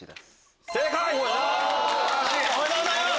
おめでとうございます！